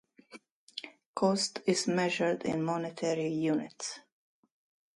Cost is measured in monetary units.